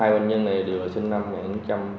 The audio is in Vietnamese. hai bệnh nhân này đều ở trên năm